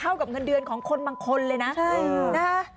กับเงินเดือนของคนบางคนเลยนะ